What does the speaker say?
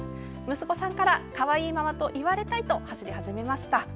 息子さんから、かわいいママと言われたいと走り始めました。